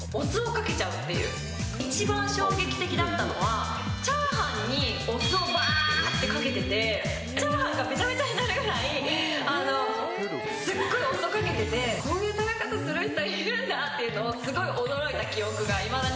一番衝撃的だったのはチャーハンにお酢をバーッてかけててチャーハンがベチャベチャになるぐらいすっごいお酢をかけててこういう食べ方する人いるんだっていうのをすごい驚いた記憶がいまだに残ってますね。